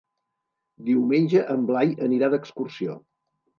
Diumenge en Blai anirà d'excursió.